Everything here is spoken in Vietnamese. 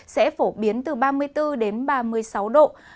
sẽ phổ biến từ ba mươi bốn đến ba mươi sáu độ